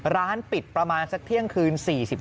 ร้านปิดประมาณสักเที่ยงคืน๔๕